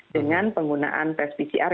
dengan penggunaan tes pcr